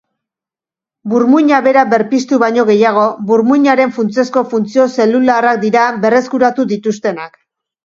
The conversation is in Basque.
Burmuina bera berpiztu baino gehiago, burmuinaren funtsezko funtzio zelularrak dira berreskuratu dituztenak.